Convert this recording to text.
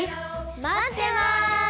待ってます！